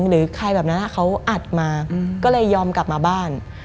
หรือใครแบบนั้นเขาอัดมาก็เลยยอมกลับมาบ้าน